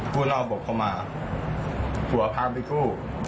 ผู้นอกบบเขามาหัวพาไปคู่